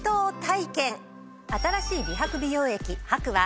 新しい美白美容液ＨＡＫＵは。